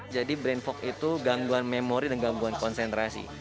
jadi brain fog itu gangguan memori dan gangguan konsentrasi